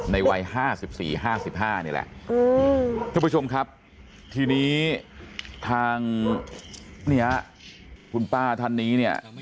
ในวัย๕๔๕๕นี่แหละทุกผู้ชมครับทีนี้ทางเนี่ยคุณป้าท่านนี้เนี่ย